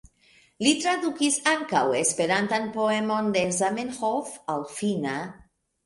Li tradukis ankaŭ esperantan poemon de Zamenhof al finna.